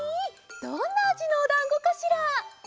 どんなあじのおだんごかしら？